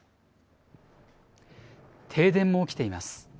停電も起きています。